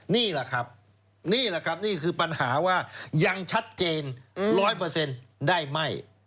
นี่แหละครับนี่คือปัญหาว่ายังชัดเจน๑๐๐ได้ไหม